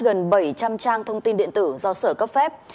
gần bảy trăm linh trang thông tin điện tử do sở cấp phép